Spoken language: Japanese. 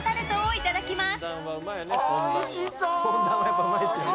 いただきます！